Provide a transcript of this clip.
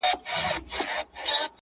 چي استاد وو پر تخته باندي لیکلی-